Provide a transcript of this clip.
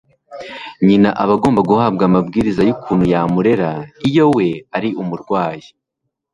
nyina aba agomba guhabwa amabwiriza y'ukuntu yamurera iyo we ari umurwayi